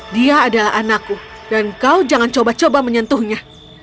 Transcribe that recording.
dia adalah anakku dan kau jangan coba coba menyentuhnya